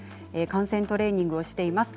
汗腺トレーニングをしています。